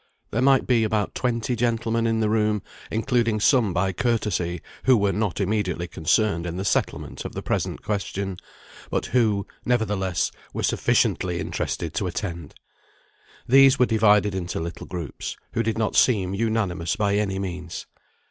There might be about twenty gentlemen in the room, including some by courtesy, who were not immediately concerned in the settlement of the present question; but who, nevertheless, were sufficiently interested to attend. These were divided into little groups, who did not seem unanimous by any means.